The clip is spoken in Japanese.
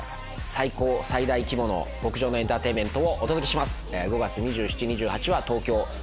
最高最大規模の極上のエンターテインメントをお届けします。